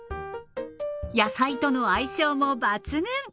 野菜との相性も抜群。